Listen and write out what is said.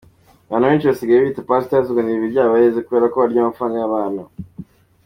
Abantu benshi basigaye bita Pastors ngo ni "Ibiryabarezi" kubera ko barya amafaranga y’abantu.